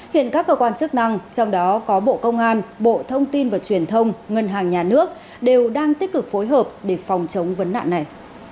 hiện các cơ quan chức năng trong đó có bộ công an bộ thông tin và truyền thông ngân hàng nhà nước đều đang tích cực phối hợp để phòng chống vấn nạn này